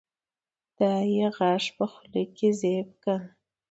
دا يې غاښ په خوله کې زېب کا